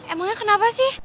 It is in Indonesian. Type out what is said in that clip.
emangnya kenapa sih